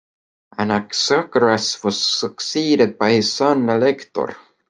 Anaxagoras was succeeded by his son Alector.